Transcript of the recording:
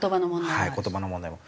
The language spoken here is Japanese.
はい言葉の問題も。